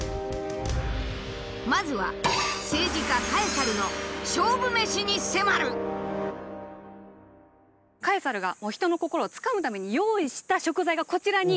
まずはカエサルが人の心をつかむために用意した食材がこちらに入っています。